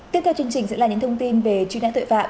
hãy đăng ký kênh để nhận thông tin nhất